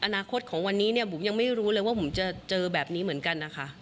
อนาคตของวันนี้เนี่ยบุ๋มยังไม่รู้เลยว่าผมจะเจอแบบนี้เหมือนกันนะคะ